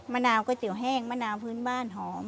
มะนาวก๋วยเตี๋ยแห้งมะนาวพื้นบ้านหอม